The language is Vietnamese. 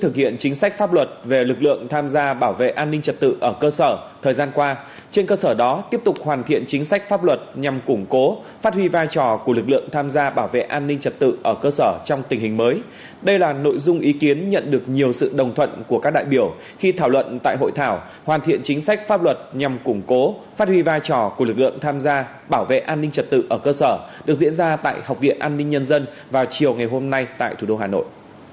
khi thảo luận tại hội thảo hoàn thiện chính sách pháp luật nhằm củng cố phát huy vai trò của lực lượng tham gia bảo vệ an ninh trật tự ở cơ sở được diễn ra tại học viện an ninh nhân dân vào chiều ngày hôm nay tại thủ đô hà nội